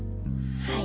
はい。